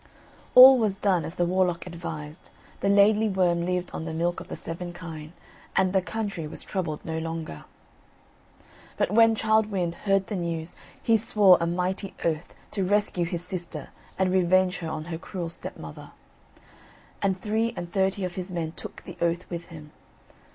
All was done as the warlock advised, the Laidly Worm lived on the milk of the seven kine, and the country was troubled no longer. But when Childe Wynd heard the news, he swore a mighty oath to rescue his sister and revenge her on her cruel stepmother. And three and thirty of his men took the oath with him.